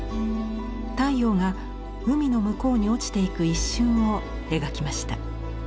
太陽が海の向こうに落ちていく一瞬を描きました。